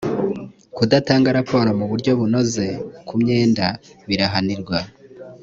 kudatanga raporo mu buryo bunoze ku myenda birahanirwa